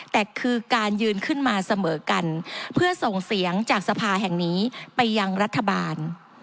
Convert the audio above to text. แต่คือการยืนขึ้นมาเสมอกันเพื่อส่งเสียงจากสภาแห่งนี้ไปยังรัฐบาล